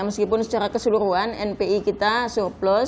meskipun secara keseluruhan npi kita surplus